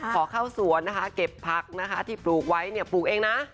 ขอเข้าสวนนะคะเก็บผักนะคะที่ปลูกไว้เนี่ยปลูกเองนะ